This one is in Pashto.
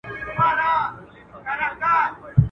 خلک هره ورځ انټرنېټ کاروي